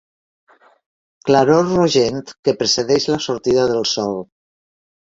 Claror rogent que precedeix la sortida del sol.